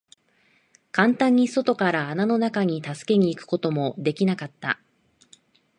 簡単に外から穴の中に助けに行くことも出来なかった。